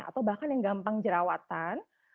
atau bahkan yang gampang jerawatan